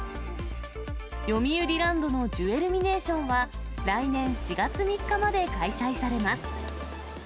よみうりランドのジュエルミネーションは、来年４月３日まで開催されます。